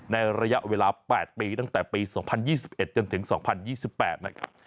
ระยะเวลา๘ปีตั้งแต่ปี๒๐๒๑จนถึง๒๐๒๘นะครับ